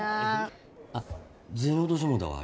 あっ銭落としてもうたわ。